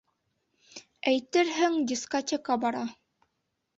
Әйтерһең, дискотека бара!